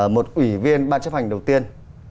một ủy viên ban chấp hành đầu tiên